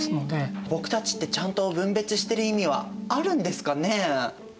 僕たちってちゃんと分別してる意味はあるんですかね？